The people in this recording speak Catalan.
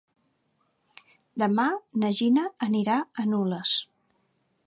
Demà na Gina anirà a Nules.